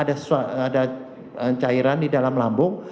ada cairan di dalam lambung